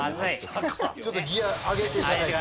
ちょっとギア上げていかないと。